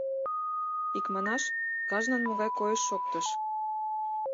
Икманаш, кажнын могай койыш-шоктыш.